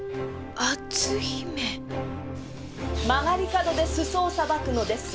曲がり角で裾をさばくのです。